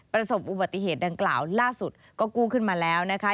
ประสบอุบัติเหตุดังกล่าวล่าสุดก็กู้ขึ้นมาแล้วนะคะ